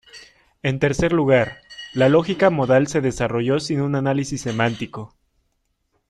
En tercer lugar, la lógica modal se desarrolló sin un análisis semántico.